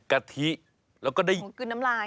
กะทิแล้วก็ได้ยินกลืนน้ำลาย